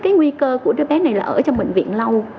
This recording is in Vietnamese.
cái nguy cơ của đứa bé này là ở trong bệnh viện lâu